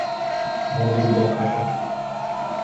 Rendez-vous dans cinq ans.